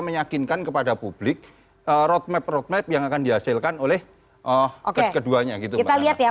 meyakinkan kepada publik roadmap roadmap yang akan dihasilkan oleh oh oke keduanya gitu kita lihat ya